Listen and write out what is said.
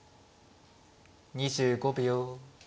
２５秒。